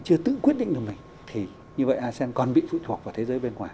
nếu quyết định được mình thì như vậy asean còn bị phụ thuộc vào thế giới bên ngoài